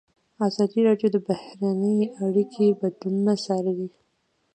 ازادي راډیو د بهرنۍ اړیکې بدلونونه څارلي.